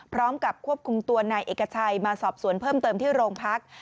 พร้อมกับควบคุมตัวนายเอกชัยมาสอบสวนเพิ่มเติมที่โรงพัก